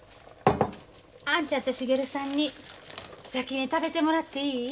兄ちゃんと茂さんに先に食べてもらっていい？